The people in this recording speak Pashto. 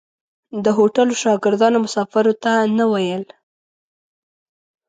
د هوټلو شاګردانو مسافرو ته نه ویل.